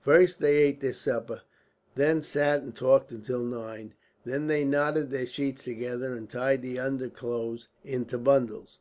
First they ate their supper, then sat and talked until nine. Then they knotted their sheets together, and tied the underclothes into bundles.